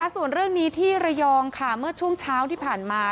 ส่วนเรื่องนี้ที่ระยองค่ะเมื่อช่วงเช้าที่ผ่านมา